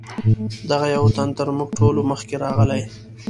دغه یو تن تر موږ ټولو مخکې راغلی.